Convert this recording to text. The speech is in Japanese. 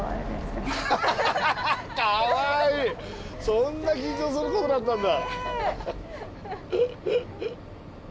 そんな緊張することだったんだ！